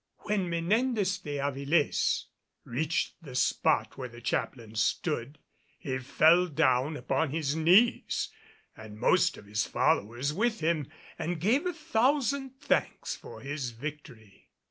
When Menendez de Avilés reached the spot where the chaplain stood, he fell down upon his knees and most of his followers with him and gave a thousand thanks for his victory.